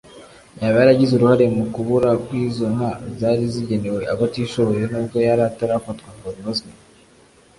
yaba yaragize uruhare mu kubura kw’izo nka zari zigenewe abatishoboye nubwo yari atarafatwa ngo abibazwe